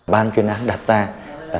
ban chuyên án đặt ra